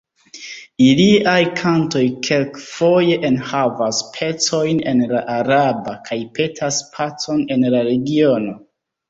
Iliaj kantoj kelk-foje enhavas pecojn en la araba, kaj petas pacon en la regiono.